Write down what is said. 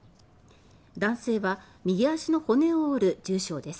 男性は右足の骨を折る重傷です。